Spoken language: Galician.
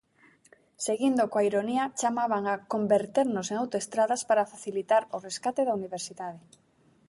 Seguindo coa ironía chamaban a "converternos en autoestradas" para facilitar o rescate da universidade.